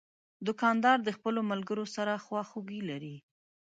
دوکاندار د خپلو ملګرو سره خواخوږي لري.